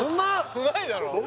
うまいだろ？